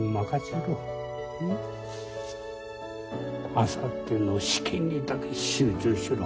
あさっての試験にだけ集中しろ。